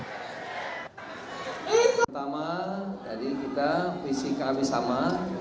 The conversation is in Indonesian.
pertama tadi kita visi kami sama